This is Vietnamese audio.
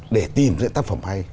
để tìm ra những tác phẩm hay